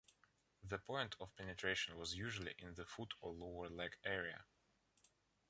The point of penetration was usually in the foot or lower leg area.